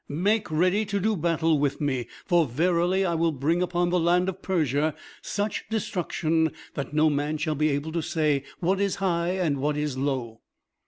Make ready to do battle with me, for verily I will bring upon the land of Persia such destruction that no man shall be able to say what is high and what is low."